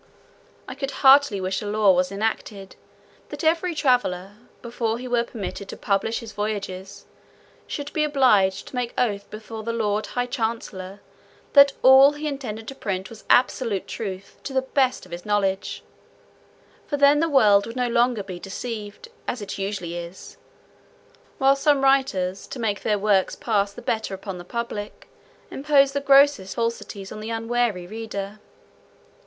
I could heartily wish a law was enacted, that every traveller, before he were permitted to publish his voyages, should be obliged to make oath before the Lord High Chancellor, that all he intended to print was absolutely true to the best of his knowledge; for then the world would no longer be deceived, as it usually is, while some writers, to make their works pass the better upon the public, impose the grossest falsities on the unwary reader.